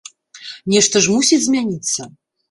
Нешта ж мусіць змяніцца.